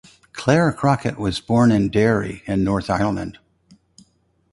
Clare Crockett was born in Derry in Northern Ireland.